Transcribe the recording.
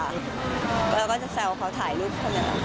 และก็จะแซ่วเขาถ่ายรูปกันนะ